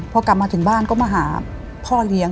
พอกลับมาถึงบ้านก็มาหาพ่อเลี้ยง